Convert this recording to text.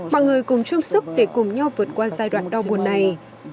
mọi người cùng chung sức để cùng nhau vượt qua giai đoạn đau buồn này